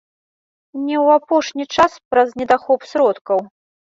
Не ў апошні час праз недахоп сродкаў.